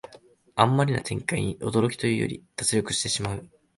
あんまりな展開に驚きというより脱力してしまう